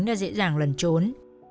đã dễ dàng lẩn trốn